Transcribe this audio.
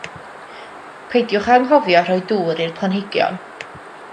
Peidiwch anghofio rhoi dŵr i'r planhigion.